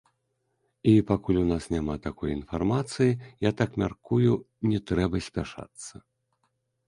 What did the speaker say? І пакуль у нас няма такой інфармацыі, я так мяркую, не трэба спяшацца.